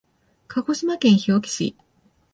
鹿児島県日置市